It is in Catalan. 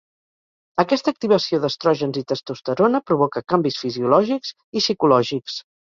Aquesta activació d'estrògens i testosterona provoca canvis fisiològics i psicològics.